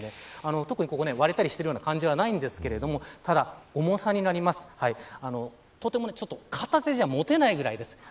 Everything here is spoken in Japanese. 特に割れたりしているような感じはしないんですけどただ、重さですがとても片手じゃ持てないぐらいです。